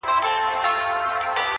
اې د ویدي د مست سُرود او اوستا لوري ـ